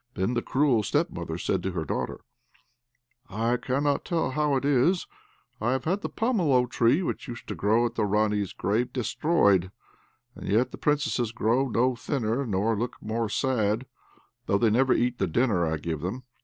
Then the cruel step mother said to her daughter: "I cannot tell how it is, I have had the pomelo tree which used to grow by the Ranee's grave destroyed, and yet the Princesses grow no thinner, nor look more sad, though they never eat the dinner I give them.